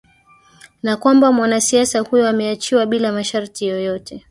na kwamba mwanasiasa huyo ameachiwa bila masharti yoyote